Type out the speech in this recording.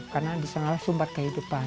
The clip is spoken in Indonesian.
karena disengalah sumbat kehidupan